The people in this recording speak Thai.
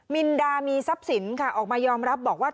มิลดามีซับซินค่ะออกมายอมรับบอกว่า